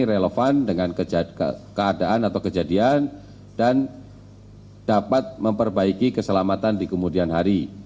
relevan dengan keadaan atau kejadian dan dapat memperbaiki keselamatan di kemudian hari